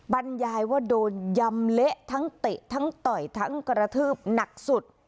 บรรยายว่าโดนยำเละทั้งเตะทั้งต่อยทั้งกระทืบหนักสุด